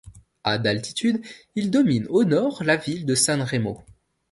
À d'altitude, il domine au nord la ville de San Remo.